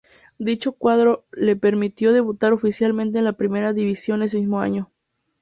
Dicho cuadro le permitió debutar oficialmente en la primera división ese mismo año.